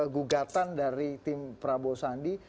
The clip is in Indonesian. gugatan dari tim prabowo sandi